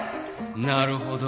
なるほど。